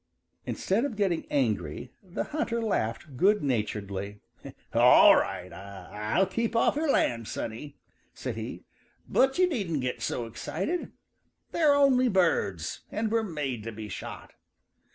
Instead of getting angry the hunter laughed good naturedly. "All right, I'll keep off your land, sonny," said he. "But you needn't get so excited. They're only birds, and were made to be shot."